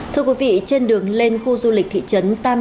thưa quý vị trên đường lên khu du lịch thị trấn tam